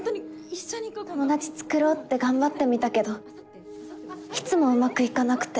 友達つくろうって頑張ってみたけどいつもうまくいかなくて。